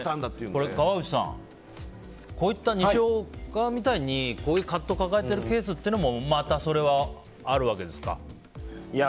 川内さん、にしおかみたいにこういう葛藤を抱えているケースもまた、それはあるわけですか？